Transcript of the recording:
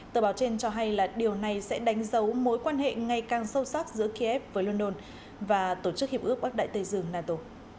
tờ báo trên cho hay là điều này sẽ đánh dấu mối quan hệ ngày càng sâu sắc giữa kiev với london và tổ chức hiệp ước bắc đại tây dương nato